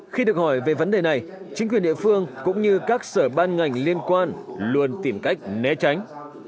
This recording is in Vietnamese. khi được hỏi về vấn đề này chính quyền địa phương cũng như các sở ban ngành liên quan luôn tìm cách né tránh